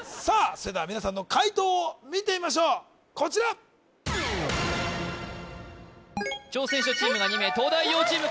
それでは皆さんの解答を見てみましょうこちら挑戦者チームが２名東大王チーム